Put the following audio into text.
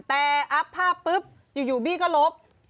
แต่อัพภาพปุ๊บอยู่บี้ก็ลบ